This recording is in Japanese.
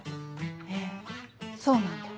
へぇそうなんだ。